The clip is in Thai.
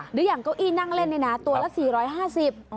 อย่างเก้าอี้นั่งเล่นนี่นะตัวละ๔๕๐บาท